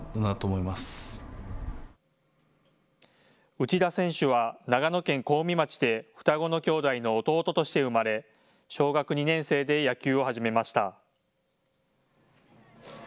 内田選手は長野県小海町で双子の兄弟の弟として生まれ小学２年生で野球を始めました。